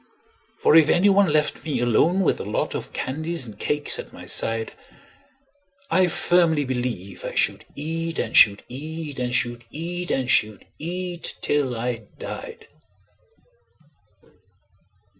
For if any one left me alone with a lot Of candies and cakes at my side, I firmly believe I should eat, and should eat, And should eat, and should eat, till I died.